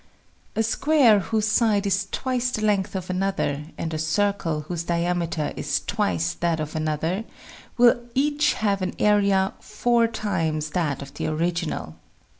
A square whose side is twice the length of another, and 32 THE SEVEN FOLLIES OF SCIENCE a circle whose diameter is twice that of another will each have an area four times that of the original.